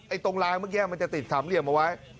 ตรงลางเมื่อกี้มันจะติดสามเหลี่ยมเอาไว้